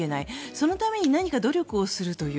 そのために何か努力をするという。